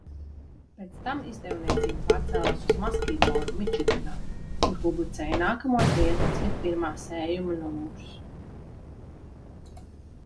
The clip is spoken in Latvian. Pēc tam izdevniecība pārcēlās uz Maskīgonu, Mičiganā, kur publicēja nākamos vienpadsmit pirmā sējuma numurus.